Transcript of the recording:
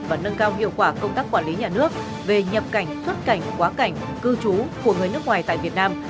và nâng cao hiệu quả công tác quản lý nhà nước về nhập cảnh xuất cảnh quá cảnh cư trú của người nước ngoài tại việt nam